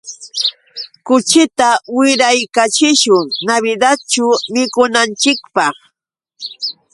Kuchita wiraykachishun Navidadćhu mikunanchikpaq.